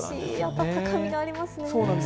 温かみがありますね。